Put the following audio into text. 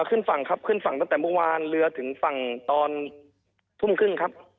ขึ้นฝั่งครับขึ้นฝั่งตั้งแต่เมื่อวานเรือถึงฝั่งตอนทุ่มครึ่งครับ